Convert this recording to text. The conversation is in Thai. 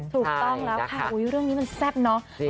ถูกต้องแล้วค่ะเรื่องนี้มันแซ่บเนาะ